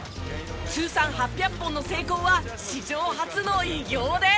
通算８００本の成功は史上初の偉業です。